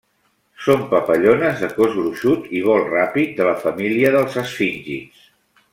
Són papallones de cos gruixut i vol ràpid de la família dels esfíngids.